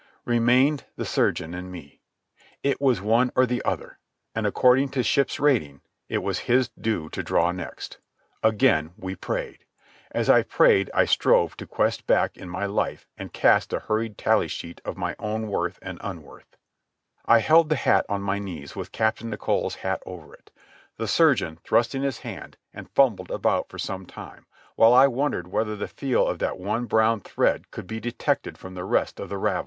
Remained the surgeon and me. It was one or the other, and, according to ship's rating, it was his due to draw next. Again we prayed. As I prayed I strove to quest back in my life and cast a hurried tally sheet of my own worth and unworth. I held the hat on my knees with Captain Nicholl's hat over it. The surgeon thrust in his hand and fumbled about for some time, while I wondered whether the feel of that one brown thread could be detected from the rest of the ravel.